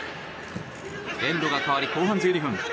エンドが変わり後半１２分。